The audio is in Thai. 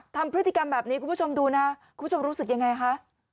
ทำพฤติกรรมแบบนี้คุณผู้ชมดูนะคุณผู้ชมรู้สึกยังไงคะ